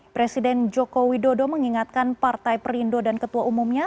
presiden joko widodo mengingatkan partai perindo dan ketua umumnya